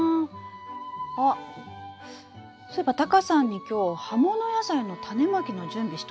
あそういえばタカさんに今日葉物野菜のタネまきの準備しといてって言われたんだ。